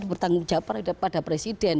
bertanggung jawab pada presiden